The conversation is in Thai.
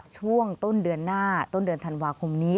ช่วงต้นเดือนหน้าต้นเดือนธันวาคมนี้